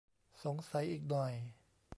สงสัยอีกหน่อย